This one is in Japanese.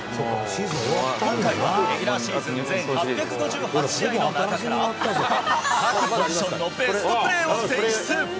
今回は、レギュラーシーズン８５８試合の中から、各ポジションのベストプレーを選出。